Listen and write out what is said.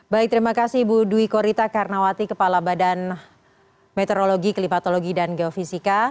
baik terima kasih ibu dwi korita karnawati kepala badan meteorologi klimatologi dan geofisika